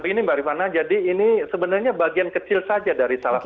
ini mbak rifana jadi ini sebenarnya bagian kecil saja dari salah satu